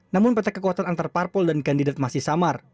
namun peta kekuatan antar parpol dan kandidat masih samar